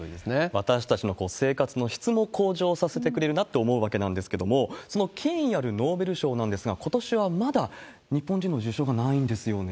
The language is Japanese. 私たちの生活の質も向上させてくれるなって思うわけなんですけれども、その権威あるノーベル賞なんですが、ことしはまだ日本人の受賞がないんですよね。